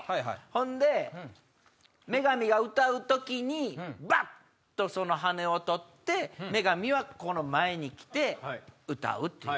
ほんで女神が歌う時にバッとその羽根を取って女神は前に来て歌うという。